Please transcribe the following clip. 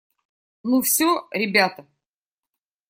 Ну все, ребята?